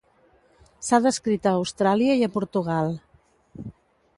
S'ha descrit a Austràlia i a Portugal.